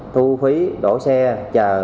thu phí đổ xe chờ